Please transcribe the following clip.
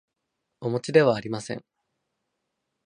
おもちではありません